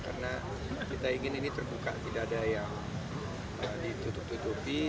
karena kita ingin ini terbuka tidak ada yang ditutup tutupi